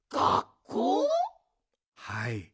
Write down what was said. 「はい。